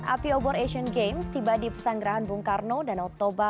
api obor asian games tiba di pesanggerahan bung karno danau toba